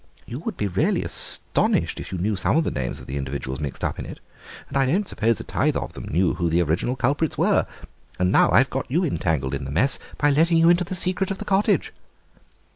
You would be really astonished if you knew some of the names of the individuals mixed up in it, and I don't suppose a tithe of them know who the original culprits were; and now I've got you entangled in the mess by letting you into the secret of the cottage."